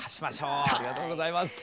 ありがとうございます。